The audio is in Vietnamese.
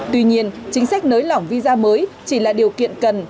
tuy nhiên chính sách nới lỏng visa mới chỉ là điều kiện cần